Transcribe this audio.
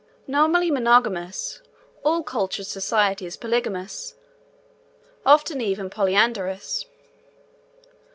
Nominally monogamous, all cultured society is polygamous; often even polyandrous.